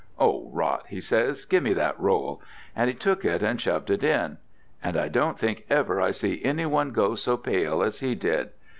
'Oh, rot,' he says, 'Give me that roll,' and he took it and shoved it in. And I don't think ever I see any one go so pale as he did.